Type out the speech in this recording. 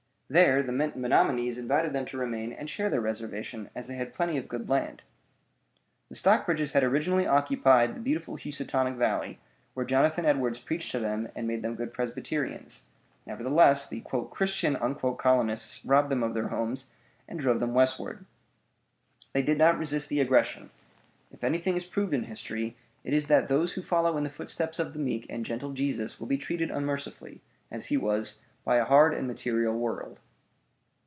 There the Menominees invited them to remain and share their reservation, as they had plenty of good land. The Stockbridges had originally occupied the beautiful Housatonic valley, where Jonathan Edwards preached to them and made them good Presbyterians; nevertheless, the "Christian" colonists robbed them of their homes and drove them westward. They did not resist the aggression. If anything is proved in history, it is that those who follow in the footsteps of the meek and gentle Jesus will be treated unmercifully, as he was, by a hard and material world.